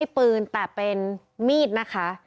ไม่ใช่ปืนแต่เป็นมีดนะคะ